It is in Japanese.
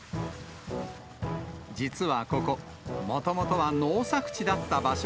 実はここ、もともとは農作地だった場所。